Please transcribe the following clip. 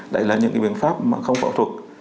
đấy là những biện pháp không phẫu thuật